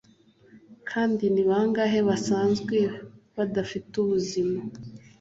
Kandi ni bangahe basanzwe badafite ubuzima